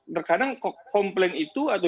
terkadang komplain itu atau